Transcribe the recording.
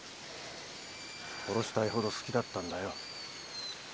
殺したいほど好きだったんだよ。